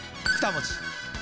２文字。